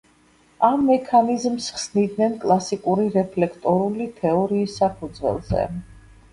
ამ მექანიზმს ხსნიდნენ კლასიკური რეფლექტორული თეორიის საფუძველზე.